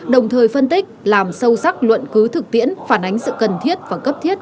đồng thời phân tích làm sâu sắc luận cứ thực tiễn phản ánh sự cần thiết và cấp thiết